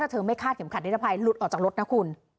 ถ้าเธอไม่โลกเช็มขัดแนเวภัยรุดออกจากรถนะคุณ